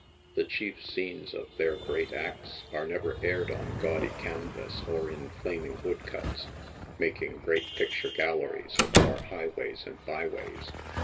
The chief scenes of their great acts are never aired on gaudy canvas or in flaming woodcuts— making great picture galleries of our highways and by ways.